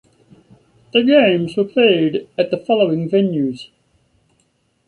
The games were played at the following venues.